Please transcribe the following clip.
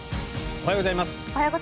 おはようございます。